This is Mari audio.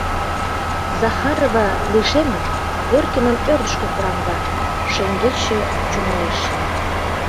Захарова, лишемын, Горкинам ӧрдыжкӧ кораҥда, шеҥгечше чумалеш.